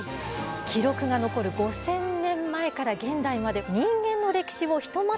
記録が残る５，０００年前から現代まで人間の歴史をひとまとめにした年表です。